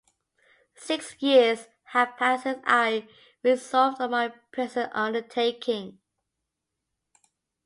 Six years have passed since I resolved on my present undertaking.